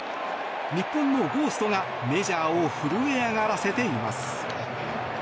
日本のゴーストが、メジャーを震え上がらせています。